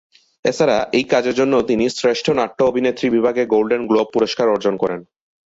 এছাড়া এই কাজের জন্য তিনি শ্রেষ্ঠ নাট্য অভিনেত্রী বিভাগে গোল্ডেন গ্লোব পুরস্কার অর্জন করেন।